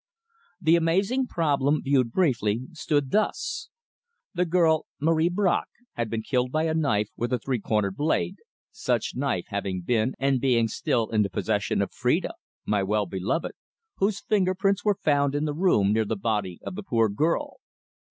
The amazing problem, viewed briefly, stood thus: The girl, Marie Bracq, had been killed by a knife with a three cornered blade, such knife having been and being still in the possession of Phrida, my well beloved, whose finger prints were found in the room near the body of the poor girl.